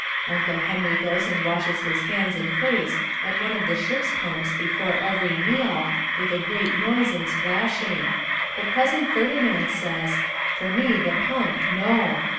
Uncle Henry goes and washes his hands and face at one of the ship's pumps before every meal, with a great noise and splashing, but Cousin Ferdinand says, "For me the pump, no."